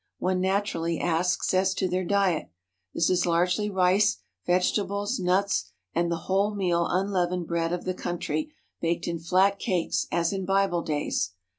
One naturally asks as to their diet. This is largely rice, vegetables, nuts, and the whole meal unleavened bread of the country baked in flat cakes as in Bible days.